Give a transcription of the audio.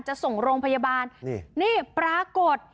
จะส่งโรงพยาบาลนี่นี่ปรากฏ